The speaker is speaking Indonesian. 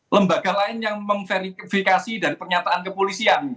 lembaga lain yang memverifikasi dari pernyataan kepolisian